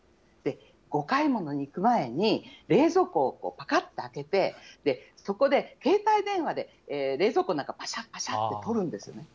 お買い物に行く前に冷蔵庫をぱかっと開けて、そこで携帯電話で冷蔵庫の中、ぱしゃぱしゃって撮るんですよね。